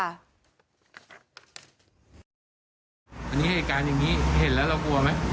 อันนี้เหตุการณ์อย่างนี้เห็นแล้วเรากลัวไหม